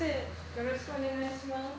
よろしくお願いします。